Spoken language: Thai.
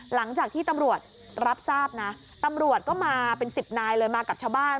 หลังจากที่ตำรวจรับทราบนะตำรวจก็มาเป็นสิบนายเลยมากับชาวบ้าน